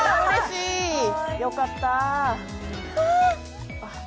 よかったぁ。